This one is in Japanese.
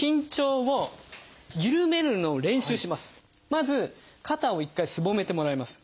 まず肩を一回すぼめてもらいます。